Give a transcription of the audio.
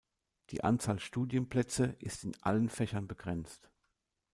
Die Anzahl Studienplätze ist in allen Fächern begrenzt.